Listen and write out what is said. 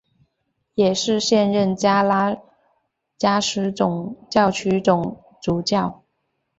也是现任加拉加斯总教区总主教。